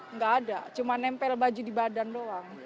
nggak ada cuma nempel baju di badan doang